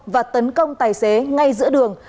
và tấn công tài xế ngay giữa đường